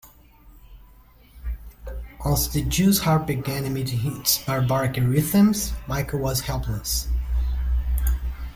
Once the jews harp began emitting its barbaric rhythms, Michael was helpless.